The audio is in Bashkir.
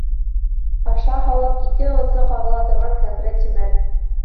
Аша һалып ике осо ҡағыла торған кәкре тимер.